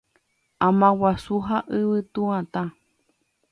Amaguasu ha yvytu'atã.